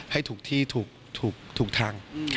ให้ถูกที่ถูกทาง